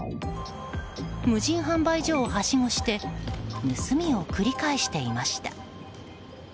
無人販売所をはしごして盗みを繰り返していました。